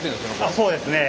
あっそうですね。